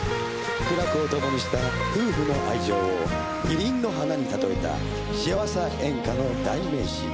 苦楽をともにした夫婦の愛情を二輪の花にたとえた幸せ演歌の代名詞。